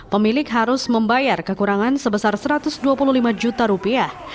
pemilik harus membayar kekurangan sebesar satu ratus dua puluh lima juta rupiah